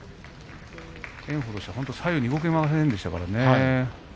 炎鵬としては左右に動けませんでしたからね。